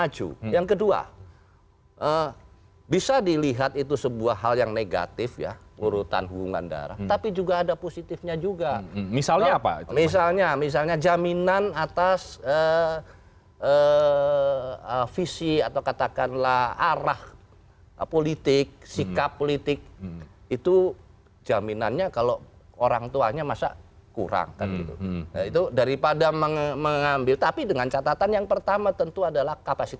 jadi ibu panduannya jelas